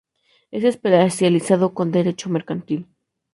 Es especializado en derecho mercantil.